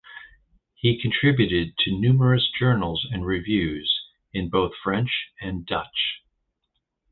He contributed to numerous journals and reviews in both French and Dutch.